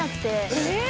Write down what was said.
えっ。